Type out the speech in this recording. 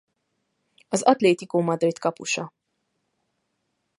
Az Atlético Madrid kapusa.